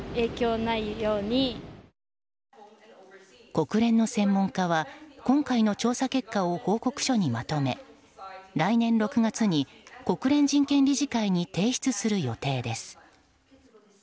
国連の専門家は今回の調査結果を報告書にまとめ来年６月に国連人権理事会に提出する予定です。